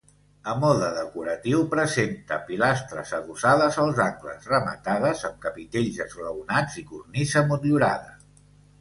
A mode decoratiu presenta pilastres adossades als angles, rematades amb capitells esglaonats i cornisa motllurada.